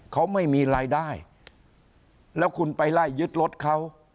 เขาไม่มีรายได้แล้วคุณไปไล่ยึดรถเขา